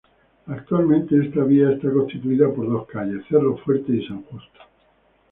Actualmente esta vía está constituida por dos calles, Cerro fuerte y San Justo.